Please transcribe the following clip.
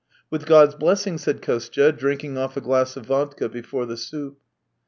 "With God's blessing," said Kostya, drinking off a glass of vodka before the soup.